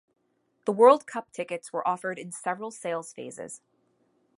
The World Cup tickets were offered in several sales phases.